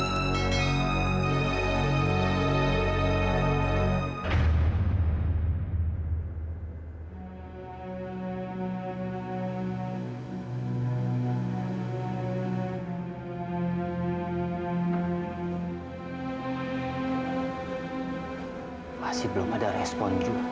masih belum ada respon juga bukan